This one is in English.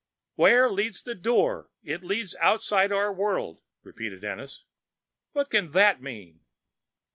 "Where leads the Door? It leads outside our world," repeated Ennis. "What can that mean?"